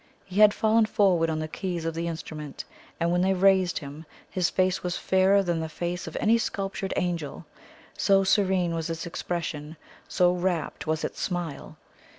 He had fallen forward on the keys of the instrument, and when they raised him, his face was fairer than the face of any sculptured angel, so serene was its expression, so rapt was its smile.